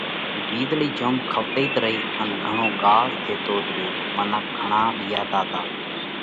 وِيزۯئِي جوم کوَتئِيت رئِي، ان گھڻو ڳاز ٿيتوت ريو۔ منک گھڻا ٻِيئاتا تا۔